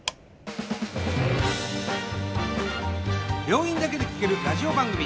病院だけで聴けるラジオ番組。